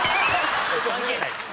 関係ないです。